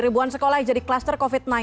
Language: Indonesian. ribuan sekolah jadi klaster covid sembilan belas